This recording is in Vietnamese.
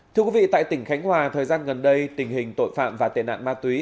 thưa quý vị tại tỉnh khánh hòa thời gian gần đây tình hình tội phạm và tệ nạn ma túy